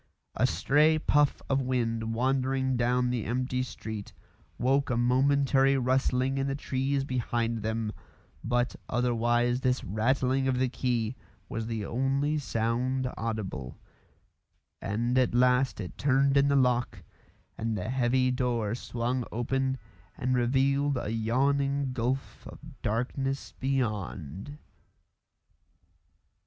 A stray puff of wind wandering down the empty street woke a momentary rustling in the trees behind them, but otherwise this rattling of the key was the only sound audible; and at last it turned in the lock and the heavy door swung open and revealed a yawning gulf of darkness beyond.